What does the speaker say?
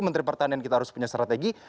menteri pertanian kita harus punya strategi